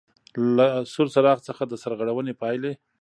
له سور څراغ څخه د سرغړونې پاېلې: